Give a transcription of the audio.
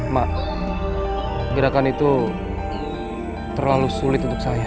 mak gerakan itu terlalu sulit untuk saya